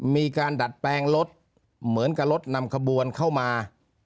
มีการดัดแปลงรถเหมือนกับรถนำขบวนเข้ามา